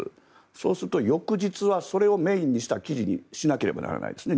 そうすると翌日はそれをメインにした記事にしなければいけないですね